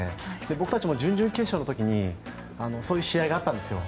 僕たちも準々決勝の時にそういう試合があったんですよ。